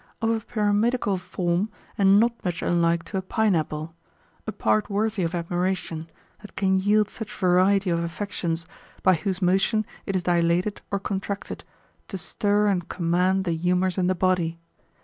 Of a pyramidical form, and not much unlike to a pineapple; a part worthy of admiration, that can yield such variety of affections, by whose motion it is dilated or contracted, to stir and command the humours in the body.